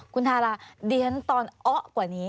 คุณทาราดิฉันตอนเอ๊ะกว่านี้